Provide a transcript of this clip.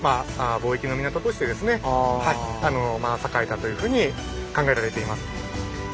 というふうに考えられています。